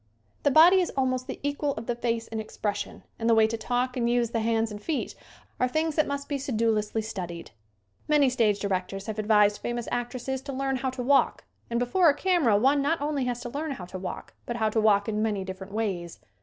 The body is al most the equal of the face in expression and the way to talk and use the hands and feet are things that must be sedulously studied. Many stage directors have advised famous actresses to "learn how to walk" and before a camera one not only has to learn how to walk but how to walk in many different ways.